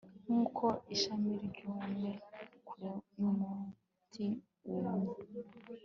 nkuko ishami ryumye kure yumuti wumye